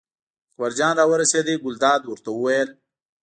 اکبرجان راورسېد، ګلداد ورته وویل.